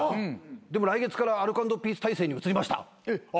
でも来月からアルコ＆ピース体制に移りました。